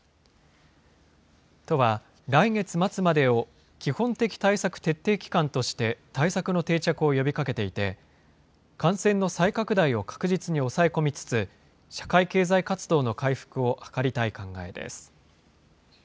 都は、来月末までを基本的対策徹底期間として、対策の定着を呼びかけていて、感染の再拡大を確実に抑え込みつつ、社会経済活動の回復を図りたい考えです。